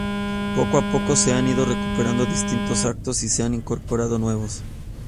Poco a poco se han ido recuperando distintos actos y se han incorporado nuevos.